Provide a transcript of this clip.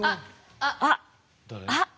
あっあっ。